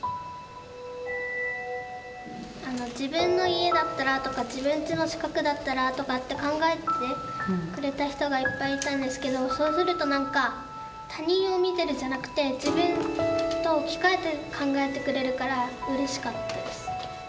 「自分の家だったら」とか「自分んちの近くだったら」とかって考えてくれた人がいっぱいいたんですけどそうすると何か「他人を見てる」じゃなくて自分と置き換えて考えてくれるからうれしかったです。